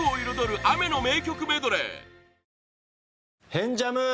「変ジャム」。